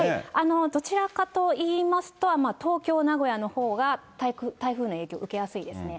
どちらかと言いますと、東京、名古屋のほうが台風の影響受けやすいですね。